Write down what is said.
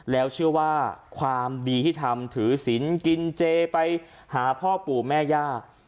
แล้วเชื่อว่าความดีที่ทำถือศิลป์กินเจไปหาพ่อปู่แม่ย่า